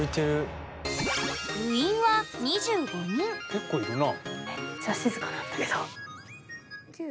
結構いるな。